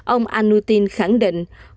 ông anutin khẳng định